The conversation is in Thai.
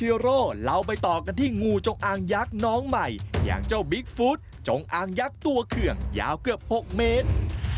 อย่างเจ้าบิ๊กฟู้ดจงอางยักษ์ตัวเคืองยาวเกือบ๖เมตร